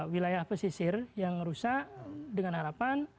wilayah pesisir yang rusak dengan harapan